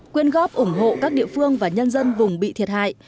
quyên góp ủng hộ các địa phương và nhân dân vùng bị thiệt hại